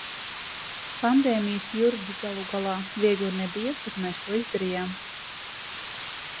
Pandēmijas jurģi galu galā, viegli nebija, bet mēs to izdarījām.